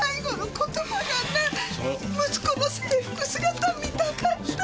「息子の制服姿を見たかった」